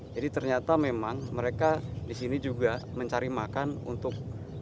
jadi ternyata memang mereka di sini juga mencari makan untuk